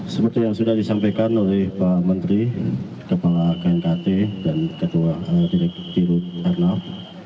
seperti yang sudah disampaikan oleh pak menteri kepala knkt dan ketua direktur airnav